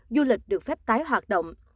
du lịch được phép tái hoạt động